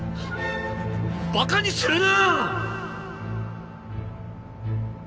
バカにするな！